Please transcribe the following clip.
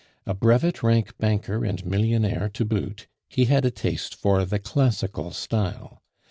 A brevet rank banker and millionaire to boot, he had a taste for the classical style.